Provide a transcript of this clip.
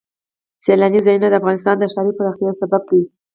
سیلاني ځایونه د افغانستان د ښاري پراختیا یو سبب دی.